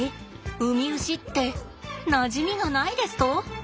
ウミウシってなじみがないですと？